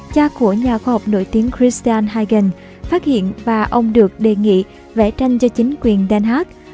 cha của nhà khoa học nổi tiếng christian hagen phát hiện và ông được đề nghị vẽ tranh cho chính quyền đen haag